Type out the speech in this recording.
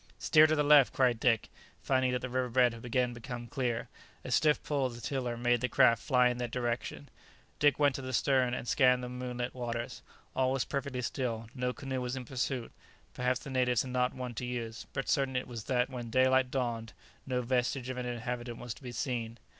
"Steer to the left!" cried Dick, finding that the riverbed had again become clear. A stiff pull at the tiller made the craft fly in that direction. Dick went to the stern, and scanned the moonlit waters. All was perfectly still, no canoe was in pursuit; perhaps the natives had not one to use; but certain it was that when daylight dawned no vestige of an inhabitant was to be seen.